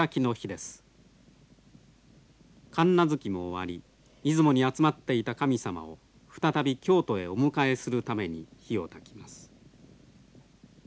神無月も終わり出雲に集まっていた神様を再び京都へお迎えするために火をたきます。